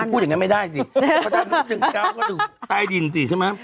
พูดอย่างนั้นไม่ได้สิ๑๙ก็ถูกใต้ดินสิใช่ไหม